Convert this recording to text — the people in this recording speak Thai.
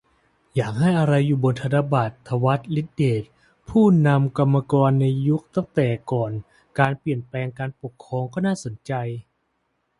อยากให้อะไรอยู่บนธนบัตร - ถวัติ ฤทธิเดช ผู้นำกรรมกรในยุคตั้งแต่ก่อนเปลี่ยนแปลงการปกครอง ก็น่าสนใจ